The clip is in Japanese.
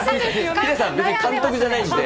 ヒデさん、別に監督じゃないんで。